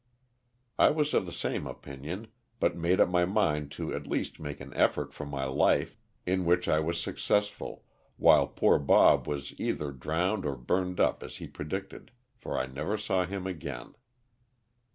'' I was of the same opinion, but made up my mind to at least make an effort for my life, in which I was successful, while poor Bob was either drowned or burned up as he predicted, for I never saw him again.